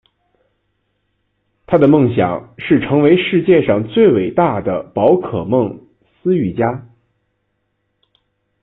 他的梦想是成为世界上最伟大的宝可梦饲育家。